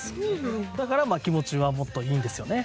だから気持ちはもっといいんですよね。